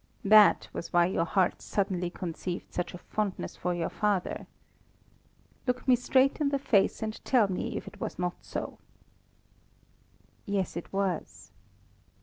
That was why your heart suddenly conceived such a fondness for your father. Look me straight in the face, and tell me if it was not so." "Yes, it was."